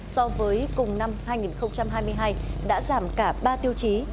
so với cùng năm hai nghìn hai mươi hai đã giảm cả ba tiêu chí